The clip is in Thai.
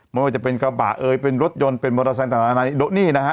ไม่ว่าจะเป็นกระบะเอ่ยเป็นรถยนต์เป็นมอเตอร์ไซค์ต่างในโดนี่นะฮะ